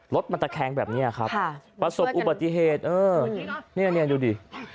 รถมันตะแคงแบบนี้ครับประสบอุบัติเหตุเออเนี่ยดูดิ